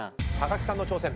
木さんの挑戦